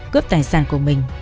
cướp tài sản của mình